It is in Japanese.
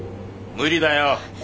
無理だよ。